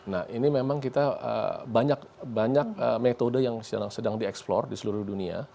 nah ini memang kita banyak metode yang sedang dieksplor di seluruh dunia